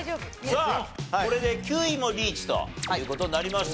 さあこれで９位もリーチという事になりました。